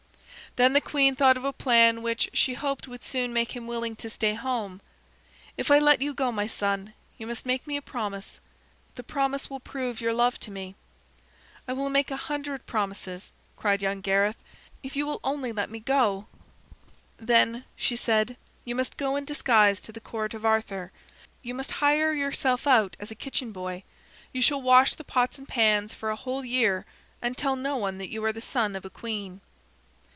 Then the queen thought of a plan which she hoped would soon make him willing to stay home. "If I let you go, my son, you must make me a promise. The promise will prove your love to me." "I will make a hundred promises," cried young Gareth, "if you will only let me go." "Then," she said, "you must go in disguise to the court of Arthur. You must hire yourself out as a kitchen boy. You shall wash the pots and pans for a whole year and tell no one that you are the son of a queen."